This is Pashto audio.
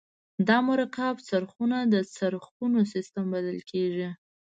دا مرکب څرخونه د څرخونو سیستم بلل کیږي.